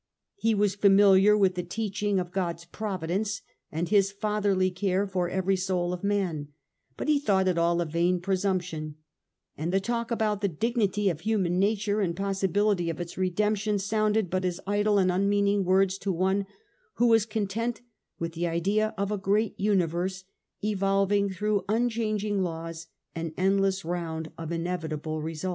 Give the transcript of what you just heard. He was familiar with the teaching of God's Providence, and of His fatherly care for every soul of man ; but he thought it all a vain presumption, and the talk about the dignity of human nature and possibility of its redemption sounded but as idle and unmeaning words to one who was content with the idea of a Great U niverse, evolving through unchanging laws an endless round of inevitable results.